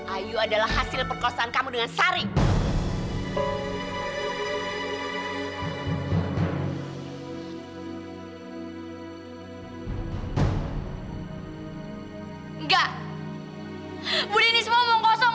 ayu gak bakal mau maafin om